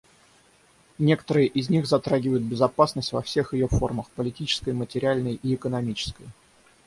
Некоторые из них затрагивают безопасность во всех ее формах — политической, материальной и экономической.